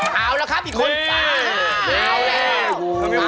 อ๋อแล้วครับอีกคนเตี้ยนแล้ว